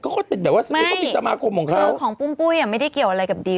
นางคงเป็นเพื่อนเที่ยวกันน่ะแหละคงเมื่อก่อนคงเป็นแก๊งเที่ยวกันอย่างนี้